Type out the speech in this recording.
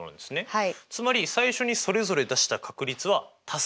はい。